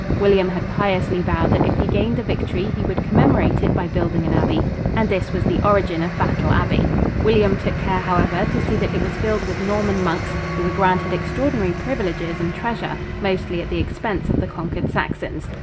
William had piously vowed that if he gained the victory he would commemorate it by building an abbey, and this was the origin of Battle Abbey. William took care, however, to see that it was filled with Norman monks, who were granted extraordinary privileges and treasure, mostly at the expense of the conquered Saxons.